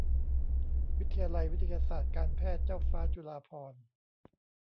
วิทยาลัยวิทยาศาสตร์การแพทย์เจ้าฟ้าจุฬาภรณ์